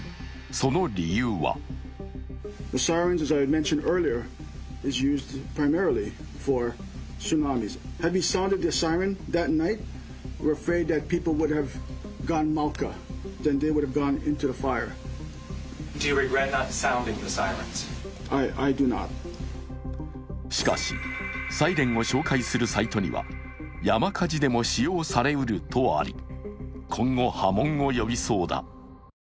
その理由はしかし、サイレンを紹介するサイトには山火事でも使用されうるとあり、今後、波紋を呼びそうだ。